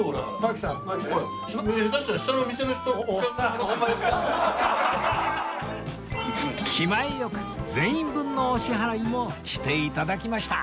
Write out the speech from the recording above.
気前よく全員分のお支払いもして頂きました